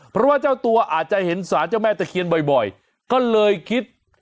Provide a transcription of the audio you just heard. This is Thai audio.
เพราะว่าเจ้าตัวอาจจะเห็นสารเจ้าแม่ตะเคียนบ่อยก็เลยคิด